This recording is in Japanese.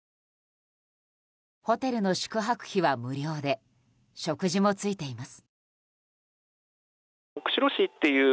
ホテルの宿泊費は無料で食事もついています。